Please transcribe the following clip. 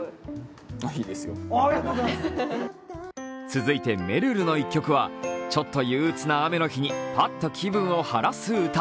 続いて、めるるの一曲は、ちょっと憂うつな雨の日にパッと気分を晴らす歌。